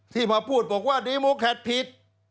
ที่มาพูดบอกว่าดีโมแคทผิด